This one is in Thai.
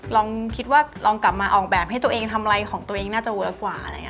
ลองคิดว่าลองกลับมาออกแบบให้ตัวเองทำอะไรของตัวเองน่าจะเวิร์คกว่าอะไรอย่างนี้